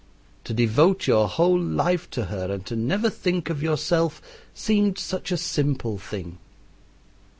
To devote your whole life to her and to never think of yourself seemed such a simple thing.